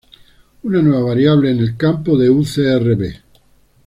Una nueva variable en el campo de U CrB